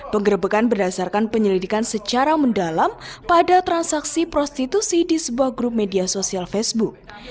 penggerbekan berdasarkan penyelidikan secara mendalam pada transaksi prostitusi di sebuah grup media sosial facebook